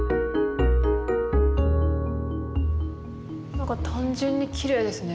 なんか単純にきれいですね。